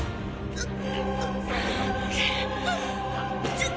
うっ！